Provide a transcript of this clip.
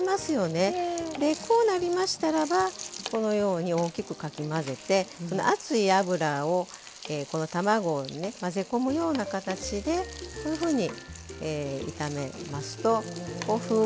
でこうなりましたらばこのように大きくかき混ぜて熱い油をこの卵にね混ぜ込むような形でこういうふうに炒めますとこうふっくらとなりますね。